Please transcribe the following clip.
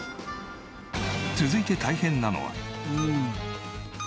続いて大変なのは。